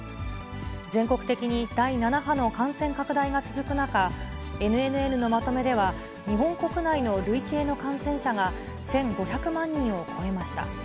全国的に第７波の感染拡大が続く中、ＮＮＮのまとめでは、日本国内の累計の感染者が１５００万人を超えました。